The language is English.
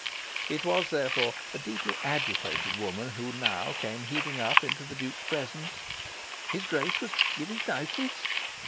It was, therefore, a deeply agitated woman who now came heaving up into the Duke's presence. His Grace was "giving notice"?